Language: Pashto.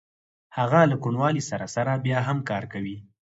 هغه له کوڼوالي سره سره بیا هم کار کوي